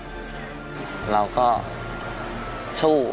นอกจากนักเตะรุ่นใหม่จะเข้ามาเป็นตัวขับเคลื่อนทีมชาติไทยชุดนี้แล้ว